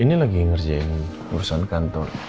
ini lagi ngerjain urusan kantor